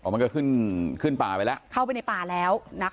มันก็ขึ้นขึ้นป่าไปแล้วเข้าไปในป่าแล้วนะคะ